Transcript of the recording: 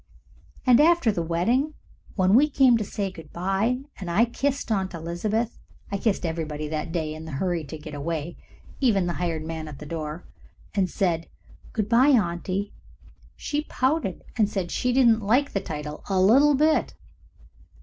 And after the wedding, when we came to say good bye, and I kissed Aunt Elizabeth I kissed everybody that day in the hurry to get away, even the hired man at the door and said, "Good bye, Aunty," she pouted and said she didn't like the title "a little bit."